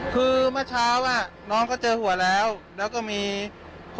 หลังจากพี่เขาเจอแล้วคงช่วยกันหา